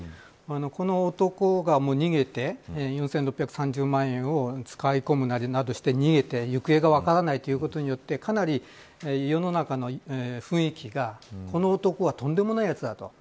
この男が逃げて４６３０万円を使い込むなりして行方が分からないことによってかなり世の中の雰囲気がこの男はとんでもないやつだと。